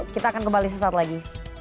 kita akan kembali sesaat lagi